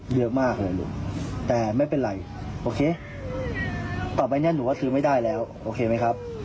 เยอะมากเลยลูกแต่ไม่เป็นไรโอเคต่อไปเนี่ยหนูก็คือไม่ได้แล้วโอเคไหมครับ